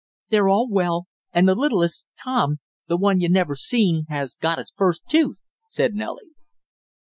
"They're all well, and the littlest, Tom the one you never seen has got his first tooth!" said Nellie.